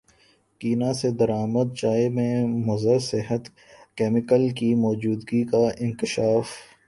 Kenya سے درامد چائے میں مضر صحت کیمیکل کی موجودگی کا انکشاف